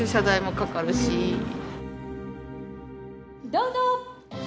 どうぞ。